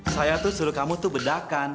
saya tuh suruh kamu tuh bedakan